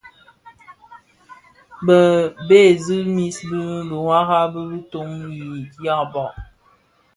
Bë bëgsi mis bi biwara bi titōň ti dyaba.